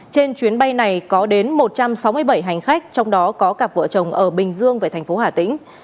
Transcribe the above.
trên chuyến bay này có đến một trăm sáu mươi bảy hành khách trong đó có cặp vợ chồng ở bình dương về thành phố hà tĩnh